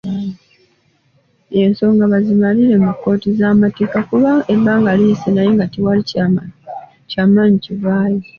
Ensonga bazimalire mu kkooti z'amateeka kuba ebbanga liyise naye tewali kyamaanyi kivaayo.